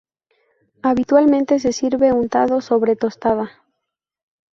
Habitualmente se sirve untado sobre tostada.